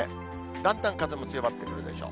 だんだん風も強まってくるでしょう。